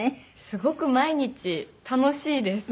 すごく毎日楽しいです。